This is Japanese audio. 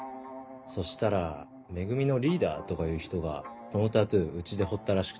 そしたら「メグミ」のリーダー？とかいう人がこのタトゥーうちで彫ったらしくて。